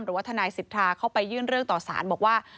หรือว่าทนายสิทธาเข้าไปยื่นเรื่องต่อสารบอกว่า